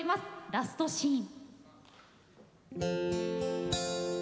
「ラスト・シーン」。